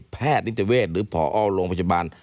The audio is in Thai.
แพทย์นิตเตอร์เวชหรือพอโรงพจบาล